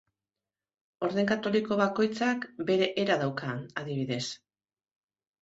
Orden katoliko bakoitzak bere era dauka, adibidez.